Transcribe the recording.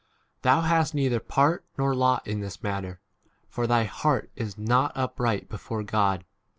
Thou hast neither part nor lot in this matter, for thy heart is not upright before 22 God.